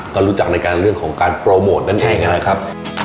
ก็รู้จักในการเรื่องของการโปรโมทนั่นเองนะครับ